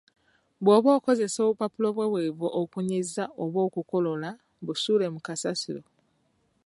Bw’oba okozesezza obupapula obuweweevu okunyiza oba okukolola, busuule mu kasasiro.